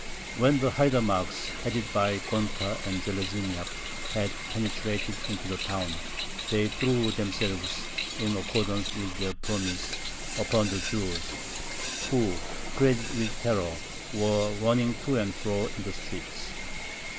When the haidamacks, headed by Gonta and Zheleznyak, had penetrated into the town, they threw themselves, in accordance with their promise, upon the Jews, who, crazed with terror, were running to and fro in the streets.